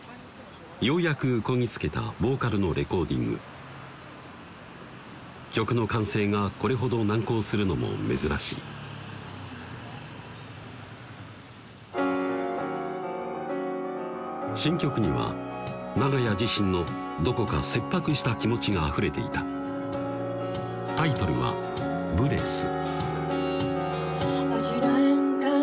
ようやくこぎ着けたボーカルのレコーディング曲の完成がこれほど難航するのも珍しい新曲には長屋自身のどこか切迫した気持ちがあふれていたタイトルは「ブレス」